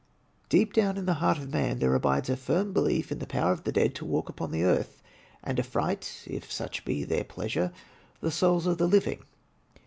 Deep down in the heart of man there abides a firm belief in the power of the dead to walk upon the earth, and affright, if such be their pleasure, the souls of the living.